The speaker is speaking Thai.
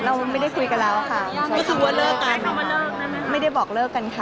เราไม่ได้คุยกันแล้วค่ะรู้สึกว่าเลิกกันไม่ได้บอกเลิกกันค่ะ